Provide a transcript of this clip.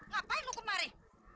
ngapain lu kemari